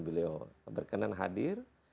beliau berkenan hadir